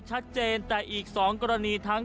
ชัดเจนแต่อีก๒กรณีทั้ง